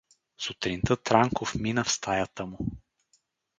Сутринта Транков мина в стаята му.